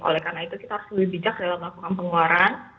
oleh karena itu kita harus lebih bijak dalam melakukan pengeluaran